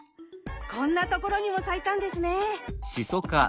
こんな所にも咲いたんですね。